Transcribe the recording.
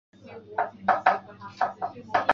拉贡公路可以直达该寺。